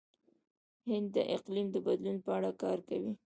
هند د اقلیم د بدلون په اړه کار کوي.